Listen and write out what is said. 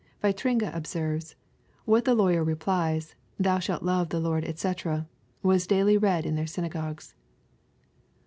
Vitringa observes, "What the lawyer replies, Thou shalt love the Lord, &c., was daily read in their synagogues."